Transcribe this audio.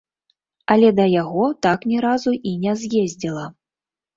Але да яго так ні разу і не з'ездзіла.